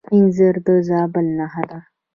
انځر د زابل نښه ده.